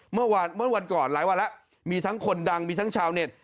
เมื่อวันก่อนหลายวันแล้วมีทั้งคนดังมีทั้งชาวเน็ต